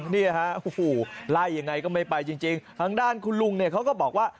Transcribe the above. เนี่ยฮะโอ้โหไล่ยังไงก็ไม่ไปจริงทางด้านคุณลุงเนี่ยเขาก็บอกว่า